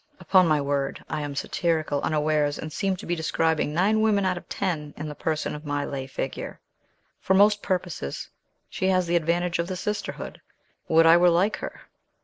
Upon my word, I am satirical unawares, and seem to be describing nine women out of ten in the person of my lay figure. For most purposes she has the advantage of the sisterhood. Would I were like her!"